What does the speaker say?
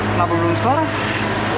kenapa belum keluar